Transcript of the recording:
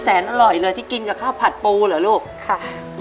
อร่อยเลยที่กินกับข้าวผัดปูเหรอลูกค่ะ